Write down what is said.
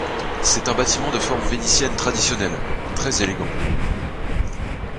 C'est un bâtiment de forme vénitienne traditionnelle, très élégant.